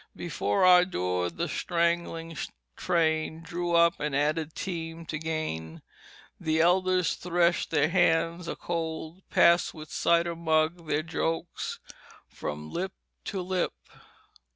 Before our door the straggling train Drew up, an added team to gain. The elders threshed their hands a cold, Passed, with the cider mug, their jokes From lip to lip."